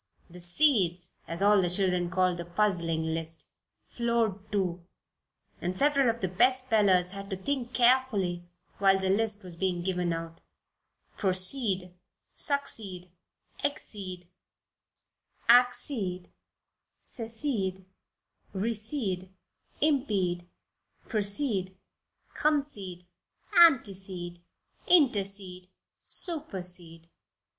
The "seeds," as all the children called the puzzling list, floored two, and several of the best spellers had to think carefully while the list was being given out: "proceed, succeed, exceed, accede, secede, recede, impede, precede, concede, antecede, intercede, supersede."